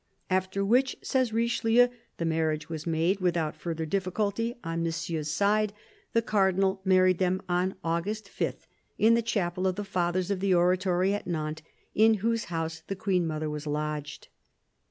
" After which," says Richelieu, " the marriage was made without further difficulty on Monsieur's side. The Cardinal married them on August 5, in the Chapel of the Fathers of the Oratory at Nantes, in whose house the Queen mother was lodged."